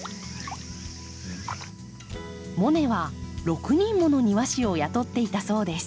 モネは６人もの庭師を雇っていたそうです。